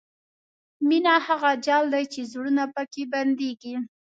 مینه هغه جال دی چې زړونه پکې بندېږي.